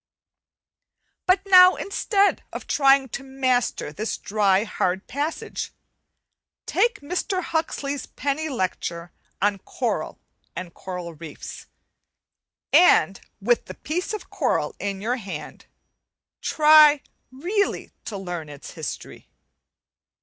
But now, instead of trying to master this dry, hard passage, take Mr. Huxley's penny lecture on 'Coral and Coral Reefs,' and with the piece of coral in your hand try really to learn its history.